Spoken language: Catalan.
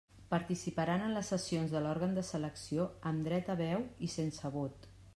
Participaran en les sessions de l'òrgan de selecció amb dret a veu i sense vot.